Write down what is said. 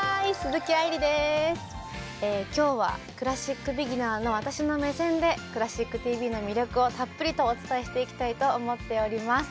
今日はクラシックビギナーの私の目線で「クラシックＴＶ」の魅力をたっぷりとお伝えしていきたいと思っております。